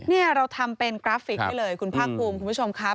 นี่เราทำเป็นกราฟิกให้เลยคุณภาคภูมิคุณผู้ชมครับ